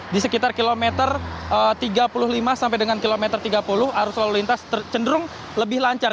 di sekitar kilometer tiga puluh lima sampai dengan kilometer tiga puluh arus lalu lintas cenderung lebih lancar